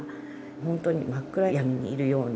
本当に真っ暗闇にいるような。